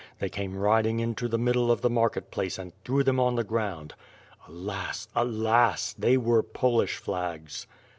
They came riding into the middle of the market place and threw them on the ground. Alas! Alas! they were Polish flags!